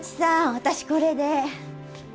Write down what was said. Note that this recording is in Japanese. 私これで。